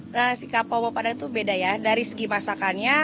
nasi kapau sama padang itu beda ya dari segi masakannya